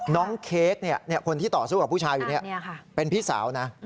เค้กคนที่ต่อสู้กับผู้ชายอยู่นี่เป็นพี่สาวนะ